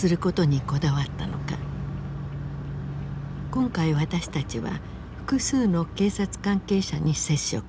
今回私たちは複数の警察関係者に接触。